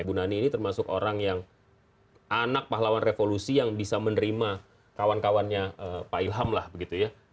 bu nani ini termasuk orang yang anak pahlawan revolusi yang bisa menerima kawan kawannya pak ilham lah begitu ya